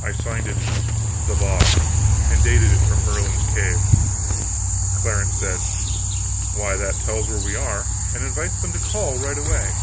I signed it "The Boss," and dated it from Merlin's Cave. Clarence said "Why, that tells where we are, and invites them to call right away."